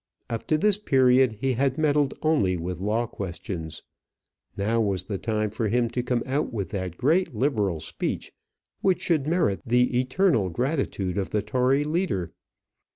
Up to this period he had meddled only with law questions. Now was the time for him to come out with that great liberal speech, which should merit the eternal gratitude of the Tory leader.